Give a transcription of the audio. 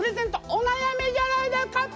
お悩みじゃないですか？